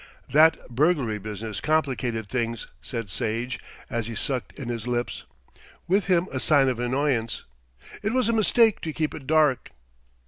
"That burglary business complicated things," said Sage, as he sucked in his lips, with him a sign of annoyance. "It was a mistake to keep it dark."